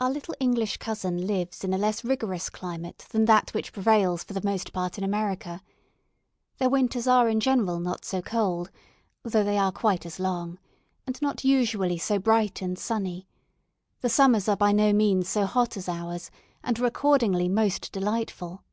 "Our Little English Cousin" lives in a less rigorous climate than that which prevails for the most part in America. Their winters are in general not so cold (though they are quite as long) and not usually so bright and sunny. The summers are by no means so hot as ours and are accordingly most delightful.